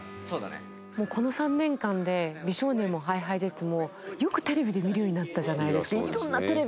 この３年間で美少年もＨｉＨｉＪｅｔｓもよくテレビで見るようになったじゃないですか色んなテレビで。